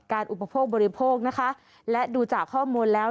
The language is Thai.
อุปโภคบริโภคนะคะและดูจากข้อมูลแล้ว